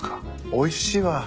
おいしいわ。